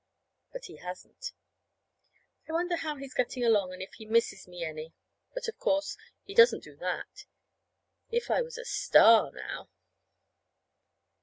But he hasn't. I wonder how he's getting along, and if he misses me any. But of course, he doesn't do that. If I was a star, now